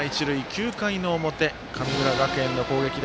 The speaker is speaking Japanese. ９回の表、神村学園の攻撃。